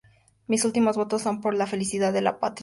Mis últimos votos son por la felicidad de la patria.